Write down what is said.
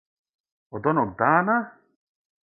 Од оног дана?